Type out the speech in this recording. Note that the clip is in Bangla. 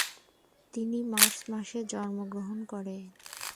তিনি মার্চ মাসে জন্মগ্রহণ করেন।